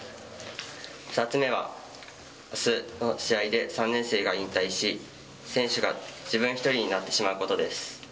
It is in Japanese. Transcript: ２つ目は、あすの試合で３年生が引退し、選手が自分１人になってしまうことです。